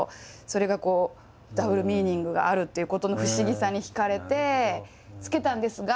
それがダブルミーニングがあるっていうことの不思議さにひかれて付けたんですが